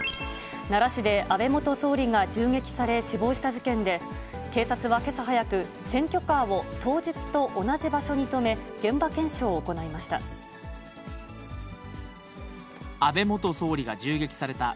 奈良市で安倍元総理が銃撃され、死亡した事件で、警察はけさ早く、選挙カーを当日と同じ場所に止め、現場検証を行いました。